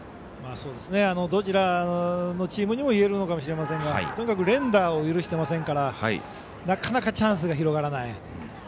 どちらのチームにもいえるのかもしれませんがとにかく連打を許してませんからなかなかチャンスが広がらない。